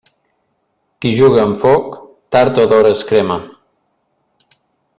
Qui juga amb foc, tard o d'hora es crema.